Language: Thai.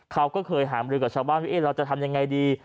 เขาก็เคยหามรือกับชาวบ้านว่าเราจะทำยังไงดี